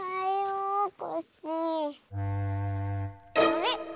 あれ？